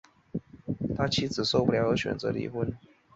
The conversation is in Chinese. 他妻子受不了而选择离婚